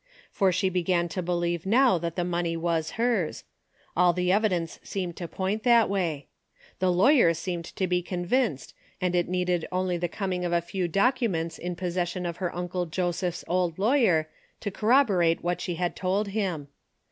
For she began to be lieve now that the money was hers. All the evidence seemed to point that way. The law yer seemed to be convinced, and it needed only the coming of a few documents in possession A DAILY RATE.'' 79 of her uncle Joseph's old lawyer to corrobo rate what she had told him.